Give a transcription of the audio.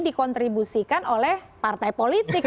dikontribusikan oleh partai politik